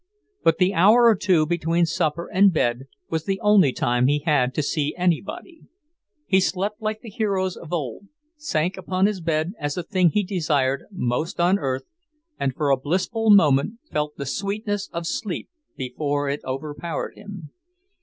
But the hour or two between supper and bed was the only time he had to see anybody. He slept like the heroes of old; sank upon his bed as the thing he desired most on earth, and for a blissful moment felt the sweetness of sleep before it overpowered him.